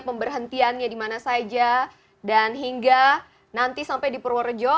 pemberhentiannya di mana saja dan hingga nanti sampai di purworejo